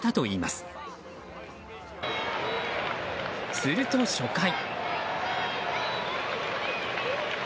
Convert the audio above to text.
すると、初回。